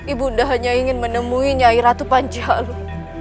ibu unda hanya ingin menemuinya ratu panjalu